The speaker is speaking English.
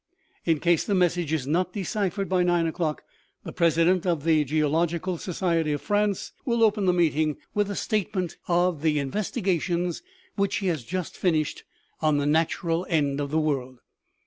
In case the message is not deciphered by nine o'clock, the president of the geological society of France will open the meeting with a statement OMEGA. ji of the investigations which he has just finished, on the natural end of the world.